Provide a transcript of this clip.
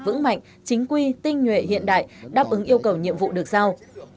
vững mạnh chính quy tinh nhuệ hiện đại đáp ứng yêu cầu nhiệm vụ được giao